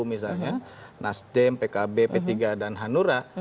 misalnya rinduan kamil uu nasdem pkb p tiga dan hanura